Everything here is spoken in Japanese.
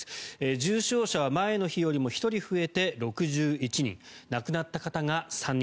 重症者は前の日よりも１人増えて６１人亡くなった方が３人。